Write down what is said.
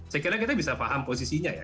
saya kira kita bisa paham posisinya ya